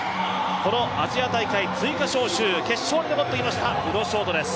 このアジア大会追加招集決勝に残ってきました宇野勝翔です。